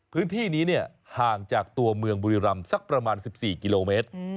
พื้นที่นี้ห่างจากตัวเมืองบุรีรำสักประมาณ๑๔กิโลเมตร